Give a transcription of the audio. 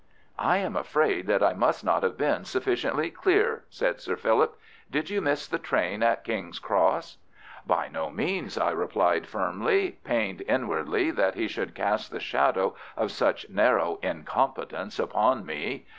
"I am afraid that I must not have been sufficiently clear," said Sir Philip. "Did you miss the train at King's Cross?" "By no means," I replied firmly, pained inwardly that he should cast the shadow of such narrow incompetence upon me.